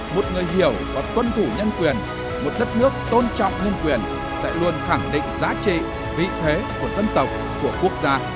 một người hiểu và tuân thủ nhân quyền một đất nước tôn trọng nhân quyền sẽ luôn khẳng định giá trị vị thế của dân tộc của quốc gia